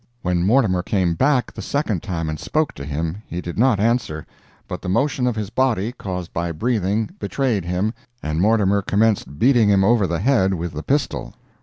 When Mortimer came back the second time and spoke to him, he did not answer, but the motion of his body, caused by breathing, betrayed him, and Mortimer commenced beating him over the head with the pistol.